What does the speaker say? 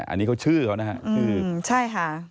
อันนี้เขาชื่อเขานะ